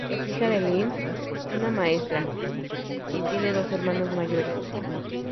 Es hija de Lynne, una maestra; y tiene dos hermanos mayores.